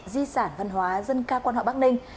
di sản văn hóa dân ca quan họ bắc ninh